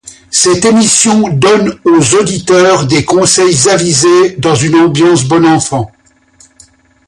Cette émission donne aux auditeurs des conseils avisés dans une ambiance bon enfant.